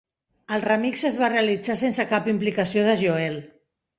El remix es va realitzar sense cap implicació de Joel.